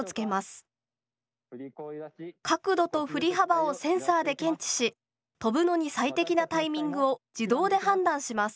角度と振り幅をセンサーで検知し飛ぶのに最適なタイミングを自動で判断します。